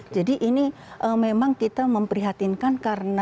jadi ini memang kita memprihatinkan karena